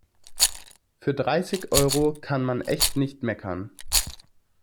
Für dreißig Euro kann man echt nicht meckern.